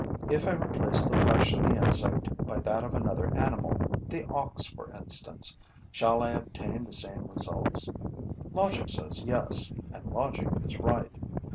If I replace the flesh of the insect by that of another animal, the ox, for instance, shall I obtain the same results? Logic says yes; and logic is right.